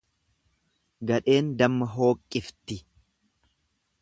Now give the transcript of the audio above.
Gadheen damma hooqqifti.